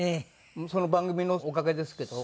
その番組のおかげですけど。